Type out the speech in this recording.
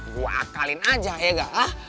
gue akalin aja ya gak lah